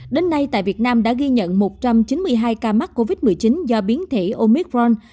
đến nay tại việt nam đã ghi nhận một trăm chín mươi hai ca mắc covid một mươi chín do biến thể omicron